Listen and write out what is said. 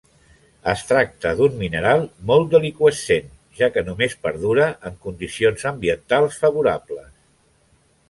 Es tracta d'un mineral molt deliqüescent, ja que només perdura en condicions ambientals favorables.